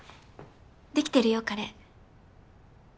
出来てるよカレー。